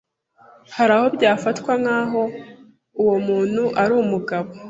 hari aho byafatwaga nk’aho uwo muntu ari umugabo,